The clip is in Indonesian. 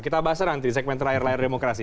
kita bahas nanti di segmen terakhir layar demokrasi